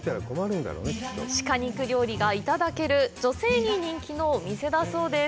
鹿肉料理がいただける女性に人気のお店だそうです。